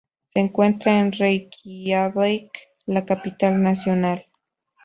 Se encuentra en Reikiavik, la capital nacional.